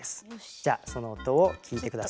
じゃその音を聞いて下さい。